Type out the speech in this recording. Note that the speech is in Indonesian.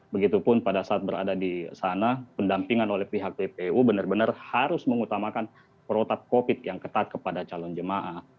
begitupun pada saat berada di sana pendampingan oleh pihak tpu benar benar harus mengutamakan protap covid yang ketat kepada calon jemaah